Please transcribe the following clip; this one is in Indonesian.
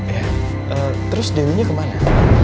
ya terus dewi nya kemana